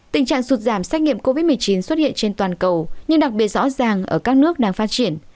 tình trạng sụt giảm xét nghiệm covid một mươi chín xuất hiện trên toàn cầu nhưng đặc biệt rõ ràng ở các nước đang phát triển